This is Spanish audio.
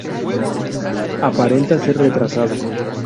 Aparenta ser retrasado.